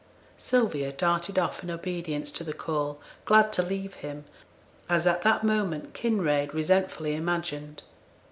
Sylvia darted off in obedience to the call; glad to leave him, as at the moment Kinraid resentfully imagined.